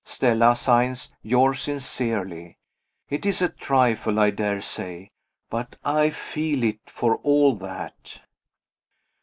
Stella signs "yours sincerely." It is a trifle, I daresay but I feel it, for all that.